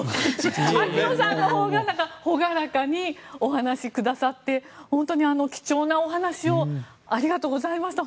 秋野さんのほうが朗らかにお話しくださって本当に貴重なお話をありがとうございました。